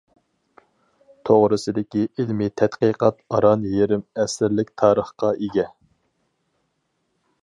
توغرىسىدىكى ئىلمىي تەتقىقات ئاران يېرىم ئەسىرلىك تارىخقا ئىگە.